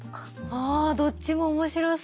ああどっちも面白そう。